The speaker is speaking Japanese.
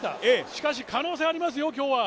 しかし可能性ありますよ、今日は。